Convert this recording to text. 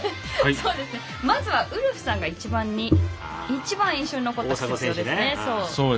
まずはウルフさんが一番印象に残った選手。